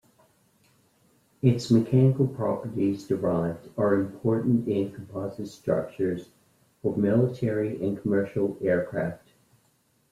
Its mechanical properties derived are important in composite structures for military and commercial aircraft.